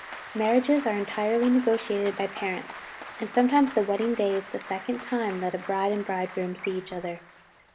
Marriages are entirely negotiated by parents; and sometimes the wedding day is the second time that a bride and bridegroom see each other.